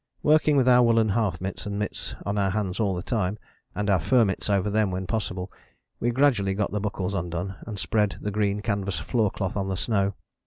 Working with our woollen half mitts and mitts on our hands all the time, and our fur mitts over them when possible, we gradually got the buckles undone, and spread the green canvas floor cloth on the snow.